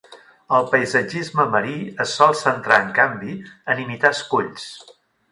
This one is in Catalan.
El paisatgisme marí es sol centrar, en canvi, en imitar esculls.